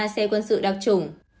một một mươi ba xe quân sự đặc trủng